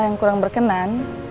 yang kurang berkenan